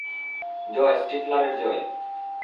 জয়, স্টিফলারের জয়।